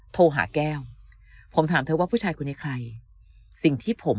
โทรหาแก้วผมถามเธอว่าผู้ชายคนนี้ใครสิ่งที่ผม